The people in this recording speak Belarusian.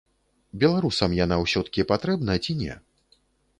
Беларусам яна ўсё-ткі патрэбна ці не?